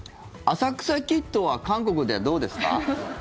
「浅草キッド」は韓国ではどうですか？